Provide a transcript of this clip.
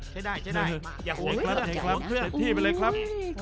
ใช่เลยครับ